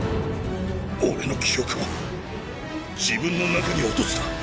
俺の記憶を自分の中に落とした！